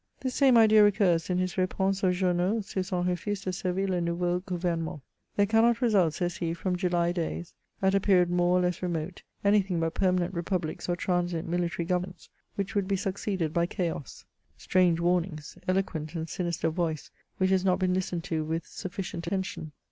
*' This same idea recurs in his Repanse aux Jowmaux sur som re/us de gervir le nouveau Gouvemement, '* There cannot result," says he, " from July days, at a period more or less remote, anything but permanent republics or transient military governments, which would be succeeded by chaos." Strange warnings! eloquent and sinister voice, which has not been listened to with sufficient attention